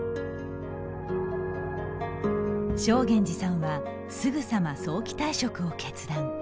正源司さんはすぐさま早期退職を決断。